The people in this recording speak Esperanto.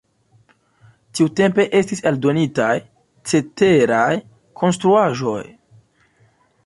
Tiutempe estis aldonitaj ceteraj konstruaĵoj.